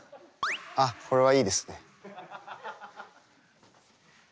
あっこれはいいですね。